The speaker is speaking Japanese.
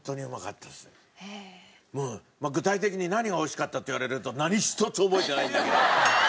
それは具体的に何が美味しかったっていわれると何一つ覚えてないんだけど。